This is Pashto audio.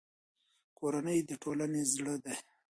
کورنۍ د ټولنې زړه دی.